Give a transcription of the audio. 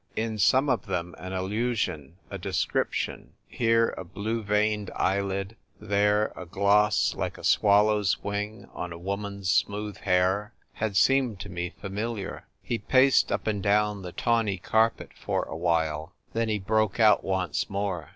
In some of them an allusion, a description — here, a blue veined eyelid; there, a gloss like a swallow's wing on a woman's smooth hair — had seemed to me familiar. He paced up and down the tawny carpet for awhile. Then he broke out once more.